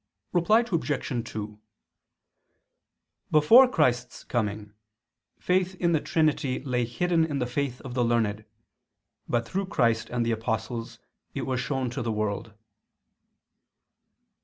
Reply Obj. 2: Before Christ's coming, faith in the Trinity lay hidden in the faith of the learned, but through Christ and the apostles it was shown to the world.